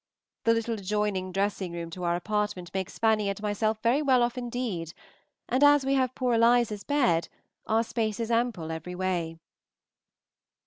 The little adjoining dressing room to our apartment makes Fanny and myself very well off indeed, and as we have poor Eliza's bed our space is ample every way.